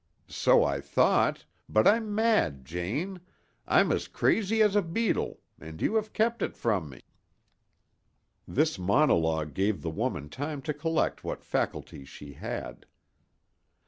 So I thought, but I'm mad, Jane, I'm as crazy as a beetle; and you have kept it from me." This monologue gave the woman time to collect what faculties she had.